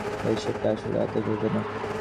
বেশ, এটা আসলেই হতাশাজনক।